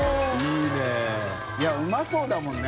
いうまそうだもんね。